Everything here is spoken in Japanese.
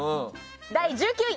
第１９位。